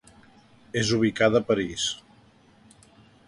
És ubicada a París.